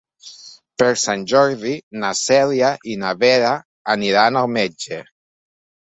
Per Sant Jordi na Cèlia i na Vera aniran al metge.